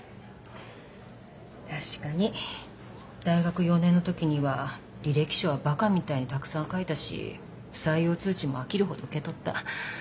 確かに大学４年の時には履歴書はバカみたいにたくさん書いたし不採用通知も飽きるほど受け取った。